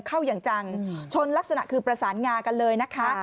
อย่างจังชนลักษณะคือประสานงากันเลยนะคะ